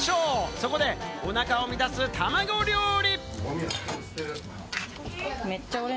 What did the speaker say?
そこで、おなかを満たす、たまご料理。